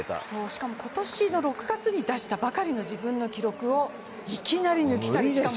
しかも、今年の６月に出したばかりの自分の記録をいきなり抜き去る、しかも屋外で。